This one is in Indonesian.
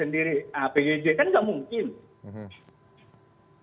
sendiri apjj kan gak mungkin